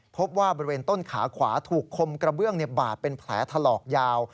พบว่าบริเวณต้นขาขวาถูกคมกระเบื้องบาดเป็นแผลถลอกยาว